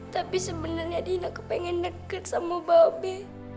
tapi sebenernya dina kepengen deket sama mbak be